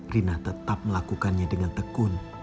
rina tetap melakukannya dengan tekun